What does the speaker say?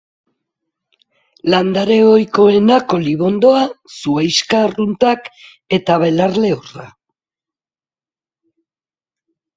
Landare ohikoenak olibondoa, zuhaixka arruntak eta belar lehorra.